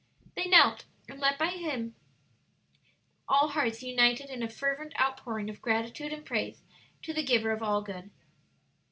They knelt, and led by him, all hearts united in a fervent outpouring of gratitude and praise to the Giver of all good.